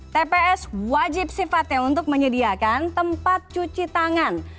tps wajib sifatnya untuk menyediakan tempat cuci tangan